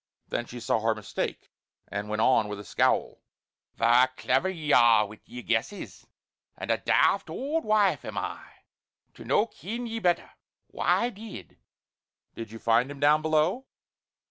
Then she saw her mistake and went on with a scowl: "Verra clever ye are wi' yer guesses; and a daft aud wife am I to no ken ye better? Why did " "Did you find him down below?"